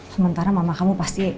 sementara mama kamu pasti